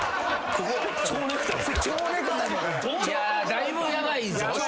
だいぶヤバいぞそれ。